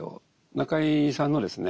中井さんのですね